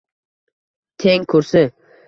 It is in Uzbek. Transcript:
teng kursi